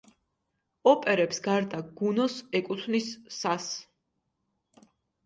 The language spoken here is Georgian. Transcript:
ოპერებს გარდა გუნოს ეკუთვნის სას.